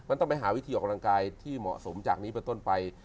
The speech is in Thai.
มันต้องไปหาวิธีออกกำลังกายที่เหมาะสมจากนี้ไปต้นไป